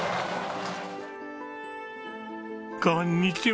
こんにちは。